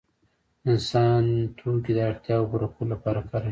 انسان توکي د اړتیاوو پوره کولو لپاره کاروي.